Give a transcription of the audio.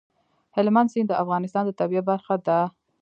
هلمند سیند د افغانستان د طبیعت برخه ده.